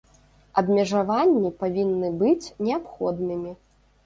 Абмежаванні павінны быць неабходнымі.